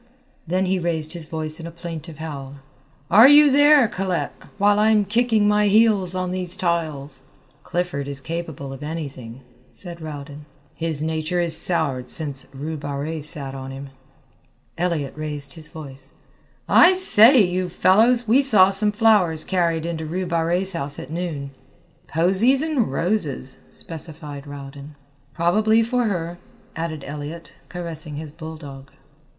Then he raised his voice in a plaintive howl, "Are you there, Colette, while I'm kicking my heels on these tiles?" "Clifford is capable of anything," said Rowden; "his nature is soured since Rue Barrée sat on him." Elliott raised his voice: "I say, you fellows, we saw some flowers carried into Rue Barrée's house at noon." "Posies and roses," specified Rowden. "Probably for her," added Elliott, caressing his bulldog.